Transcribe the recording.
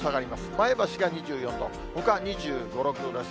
前橋が２４度、ほか２５、６度です。